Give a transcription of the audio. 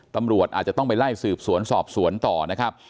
ตำรวจอาจจะต้องไปไล่สืบสวนสอบสวนต่อนะครับ